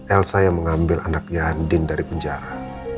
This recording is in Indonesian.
elsa yang mengambil anaknya andin dari penjara